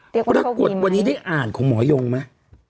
เพราะถ้ากดวันนี้ได้อ่านของหมอยงไหม